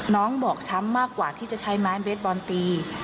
น้องบอกช้ำมากกว่าที่จะใช้ไมซ์เบสบอร์ตี